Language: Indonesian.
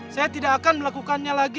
saya tidak akan melakukannya lagi